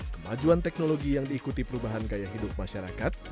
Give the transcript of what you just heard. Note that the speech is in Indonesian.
kemajuan teknologi yang diikuti perubahan gaya hidup masyarakat